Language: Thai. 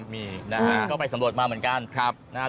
มีนะครับก็ไปสำรวจมาเหมือนกัน